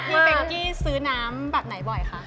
ปกติพี่เบงกี้ซื้อน้ำแบบไหนบ่อยค่ะ